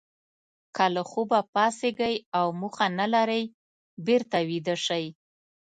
که له خوبه پاڅېږئ او موخه نه لرئ بېرته ویده شئ.